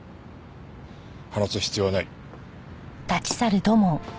話す必要はない。